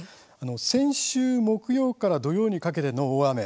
先週木曜から土曜にかけての大雨